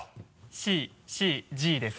「ＣＣＧ」です。